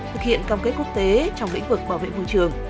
thực hiện cam kết quốc tế trong lĩnh vực bảo vệ môi trường